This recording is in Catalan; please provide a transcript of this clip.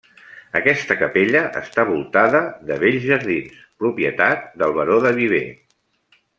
Aquesta capella està voltada de bells jardins propietat del baró de Viver.